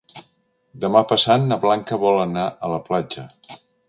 Demà passat na Blanca vol anar a la platja.